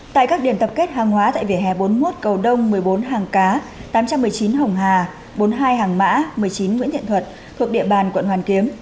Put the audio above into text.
tại các điểm tập kết hàng hóa tại vỉa hè bốn mươi một cầu đông một mươi bốn hàng cá tám trăm một mươi chín hồng hà bốn mươi hai hàng mã một mươi chín nguyễn thiện thuật thuộc địa bàn quận hoàn kiếm